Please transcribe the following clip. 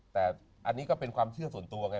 แต่อันนี้ก็เป็นความเชื่อส่วนตัวไง